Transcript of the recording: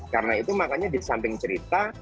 karena itu makanya di samping cerita